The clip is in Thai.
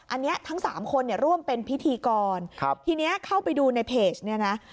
อันนี้ทั้ง๓คนร่วมเป็นพิธีกรทีนี้เข้าไปดูในเพจนี้นะ